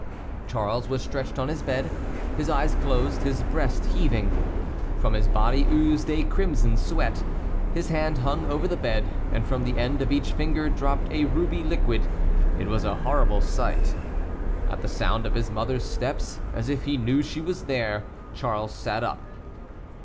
Charles was stretched on his bed, his eyes closed, his breast heaving; from his body oozed a crimson sweat. His hand hung over the bed, and from the end of each finger dropped a ruby liquid. It was a horrible sight. At the sound of his mother's steps, as if he knew she was there, Charles sat up.